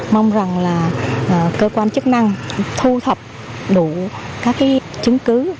mong rằng là cơ quan chức năng thu thập đủ các chứng cứ